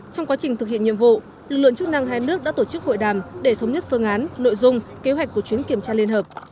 trong quá trình thực hiện nhiệm vụ lực lượng chức năng hai nước đã tổ chức hội đàm để thống nhất phương án nội dung kế hoạch của chuyến kiểm tra liên hợp